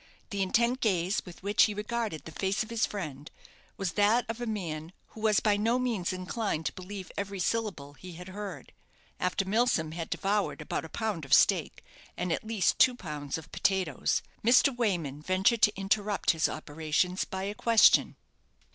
The intent gaze with which he regarded the face of his friend, was that of a man who was by no means inclined to believe every syllable he had heard. After Milsom had devoured about a pound of steak, and at least two pounds of potatoes, Mr. Wayman ventured to interrupt his operations by a question.